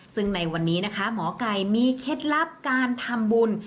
ซึ่งในวันนี้นะคะหมอไก่มีเคล็ดลับการทำบุญ